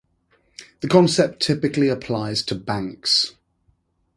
The concept typically applies to banks.